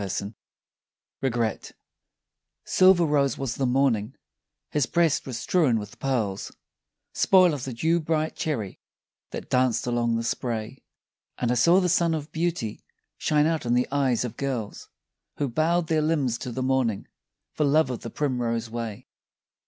100 REGRET SILVER rose was the morning, his breast was strewn with pearls Spoil of the dew bright cherry that danced along the spray, And I saw the sun of beauty shine out in the eyes of girls Who bowed their limbs to the morning, for love of the primrose way.